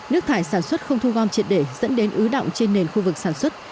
nước thải sản xuất không thu gom triệt để dẫn đến ứ động trên nền khu vực sản xuất